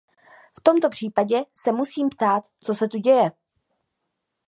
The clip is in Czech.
V tomto případě se musím ptát, co se tu děje?